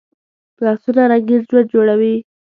لاسونه رنګین ژوند جوړوي